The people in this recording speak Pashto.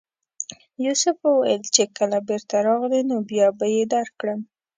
یوسف وویل چې کله بېرته راغلې نو بیا به یې درکړم.